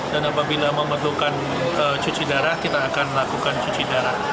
dan apabila memerlukan cuci darah kita akan melakukan cuci darah